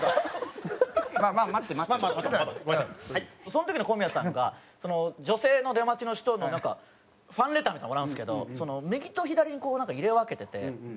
その時の小宮さんが女性の出待ちの人のなんかファンレターとかもらうんですけど右と左にこう入れ分けてて。